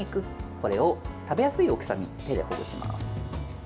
これを食べやすい大きさに手でほぐします。